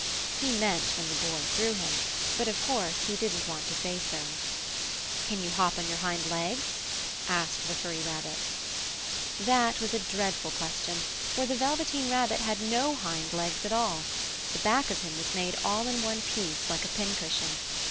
He meant when the Boy threw him, but of course he didn't want to say so. "Can you hop on your hind legs?" asked the furry rabbit. That was a dreadful question, for the Velveteen Rabbit had no hind legs at all! The back of him was made all in one piece, like a pincushion.